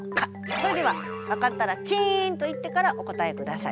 それでは分かったらチンと言ってからお答えください。